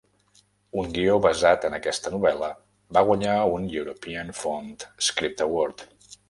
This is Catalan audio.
Un guió basat en aquesta novel·la va guanyar un European Fund Script Award.